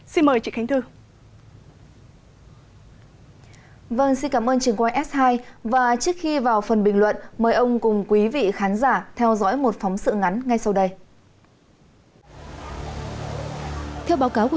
xin mời chị khánh thư